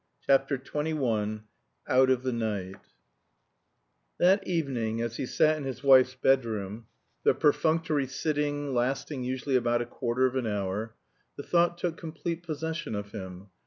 CHAPTER XXI OUT OF THE NIGHT That evening as he sat in his wife's bedroom the perfunctory sitting, lasting usually about a quarter of an hour the thought took complete possession of him.